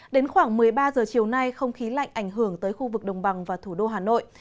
đến khoảng một mươi ba giờ chiều nay không khí lạnh ảnh hưởng tới khu vực đồng bằng và thủ đô hà nội